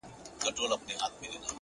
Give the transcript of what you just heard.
وخت د هر چا لپاره برابر شتمن دی!